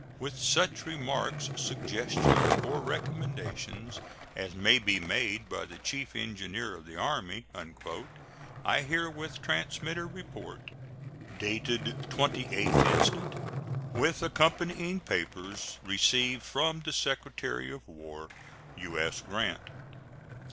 with such remarks, suggestions, or recommendations as may be made by the Chief Engineer of the Army," I herewith transmit a report, dated 28th instant, with accompanying papers, received from the Secretary of War. U.S. GRANT.